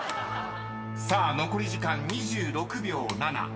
［さあ残り時間２６秒７］